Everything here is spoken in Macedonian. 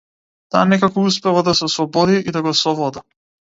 Таа некако успева да се ослободи и да го совлада.